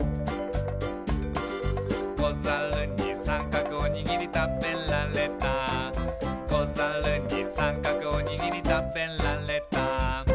「こざるにさんかくおにぎりたべられた」「こざるにさんかくおにぎりたべられた」